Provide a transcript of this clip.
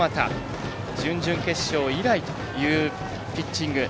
準々決勝以来というピッチング。